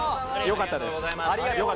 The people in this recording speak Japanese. よかったです。